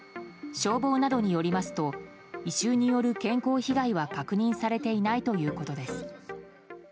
消防などによりますと異臭による健康被害は確認されていないということです。